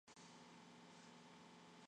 advogado-geral da União